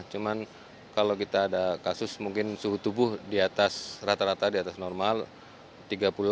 cuma kalau kita ada kasus mungkin suhu tubuh di atas rata rata di atas normal tiga puluh delapan atau tiga puluh sembilan